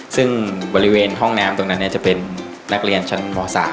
ซึ่งบริเวณห้องน้ำตรงนั้นจะเป็นนักเรียนชั้นม๓